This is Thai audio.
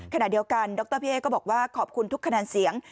ขณะเดียวกันดรพี่เอ๊ก็บอกว่าขอบคุณทุกคะแนนเสียง